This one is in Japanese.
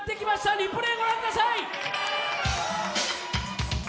リプレーご覧ください。